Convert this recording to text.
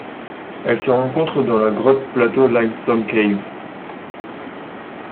Elle se rencontre dans la grotte Plateau Limestone Cave.